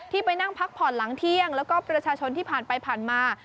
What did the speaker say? ไปนั่งพักผ่อนหลังเที่ยงแล้วก็ประชาชนที่ผ่านไปผ่านมา